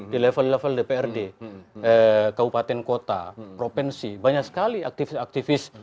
di level level dprd kabupaten kota provinsi banyak sekali aktivis aktivis